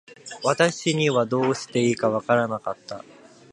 私にはどうしていいか分らなかった。